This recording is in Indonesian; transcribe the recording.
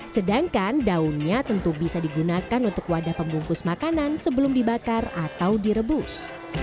sedangkan daunnya tentu bisa digunakan untuk wadah pembungkus makanan sebelum dibakar atau direbus